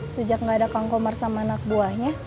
sejak gak ada kangkomar sama anak buahnya